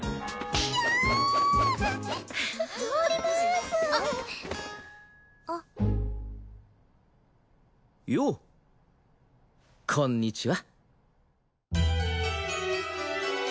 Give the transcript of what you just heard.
通りますあっようこんにちは